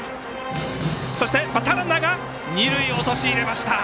バッターランナーが二塁を陥れました！